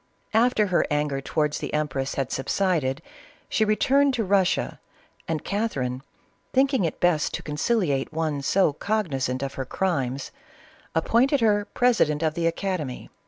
After her anger towards the empress had subsided, she returned to Russia, and Catherine, thinking it best to conciliate one so cognizant of her crimes, appointed her president of the academy.